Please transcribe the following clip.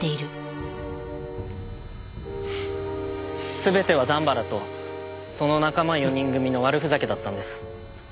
全ては段原とその仲間４人組の悪ふざけだったんです。